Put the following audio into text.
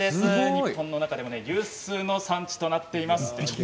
日本の中でも有数の産地となっています。